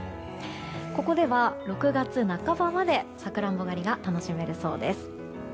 ここでは６月半ばまでサクランボ狩りが楽しめるそうです。